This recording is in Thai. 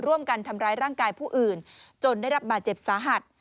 ร่วมกันทำร้ายร่างกายผู้อื่นจนได้รับบาดเจ็บสาหัส